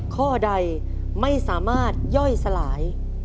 ข้อใดไม่สามารถย่อยสลาย